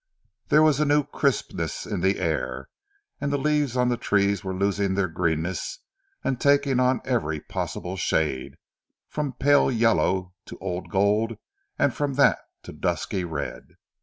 There was a new crispness in the air, and the leaves on the trees were losing their greenness and taking on every possible shade, from pale yellow to old gold, and from that to dusky red.